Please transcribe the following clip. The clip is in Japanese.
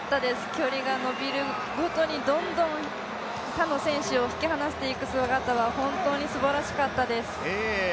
距離が延びるごとにどんどん他の選手を引き離していく姿は本当にすばらしかったです。